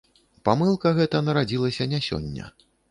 Памылка гэта нарадзілася не сёння.